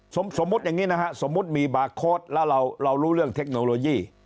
สมมุติอย่างนี้นะฮะสมมุติมีบาร์โค้ดแล้วเรารู้เรื่องเทคโนโลยี